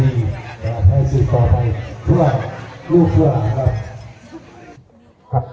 แล้วให้สิทธิ์ต่อไปเพื่อลูกเพื่อครับ